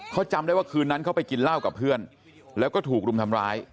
เขาจำได้ว่าคืนนั้นเขาไปกินเหล้ากับเพื่อนแล้วก็ถูกรุมทำร้าย